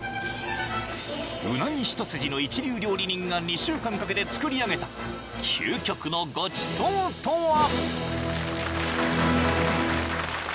［うなぎ一筋の一流料理人が２週間かけて作り上げた究極のごちそうとは？］